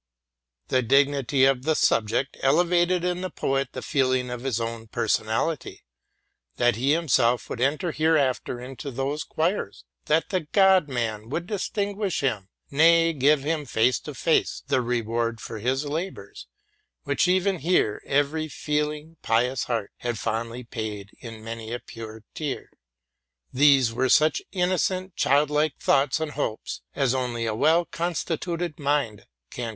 The dignity of the subject elevated in the poet the feeling of his own personality. That he himself would enter here after into those choirs, that the God Man would distinguish him, nay, give him face to face the reward for his labors, which even here every feeling, pious heart had fondly paid in many a pure tear, — these were such innocent, child like thoughts and hopes, as only a well constituted mind can RELATING TO MY LIFE.